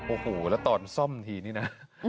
โอ้โหตอนส้อมทีนี่น่ะ